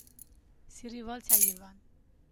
Si rivolse a Ivan.